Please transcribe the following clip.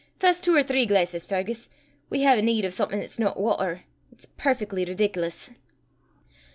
Fess twa or three glaisses, Fergus; we hae a' need o' something 'at's no watter. It's perfeckly ridic'lous!"